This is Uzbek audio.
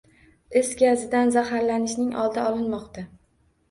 Is gazidan zaharlanishning oldi olinmoqda